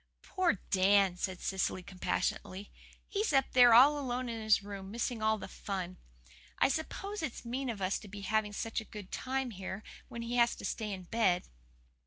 "Poor Dan," said Cecily compassionately. "He's up there all alone in his room, missing all the fun. I suppose it's mean of us to be having such a good time here, when he has to stay in bed."